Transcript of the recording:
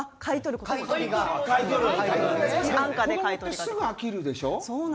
子供って、すぐ飽きるでしょう。